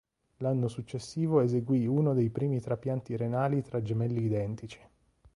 L'anno successivo eseguì uno dei primi trapianti renali tra gemelli identici.